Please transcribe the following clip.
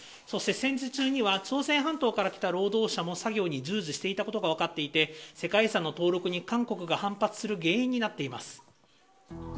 そして戦時中には、朝鮮半島から来た労働者も作業に従事していたことが分かっていて、世界遺産の登録に韓国が反発する原因になっています。